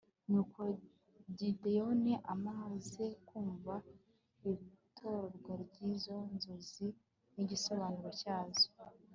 nuko gideyoni amaze kumva irotorwa ry'izo nzozi n'igisobanuro cyazo